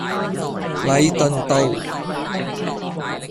禮頓道